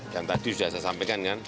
dan tadi sudah saya sampaikan kan